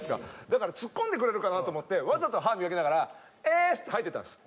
だからツッコんでくれるかなと思ってわざと歯を磨きながら「ウィーッス！」って入っていったんです。